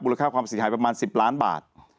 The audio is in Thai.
ค่าความเสียหายประมาณ๑๐ล้านบาท